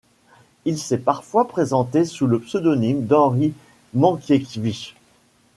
Il s'est parfois présenté sous le pseudonyme d'Henry Mankiewicz.